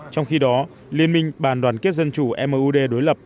trong khi đó liên minh bàn đoàn kết dân chủ mud đối lập